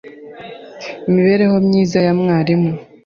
imibereho myiza ya mwarimu